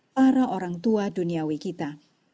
para orang tua duniawi kita